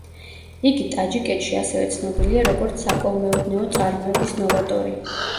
იგი ტაჯიკეთში ასევე ცნობილია, როგორც საკოლმეურნეო წარმოების ნოვატორი.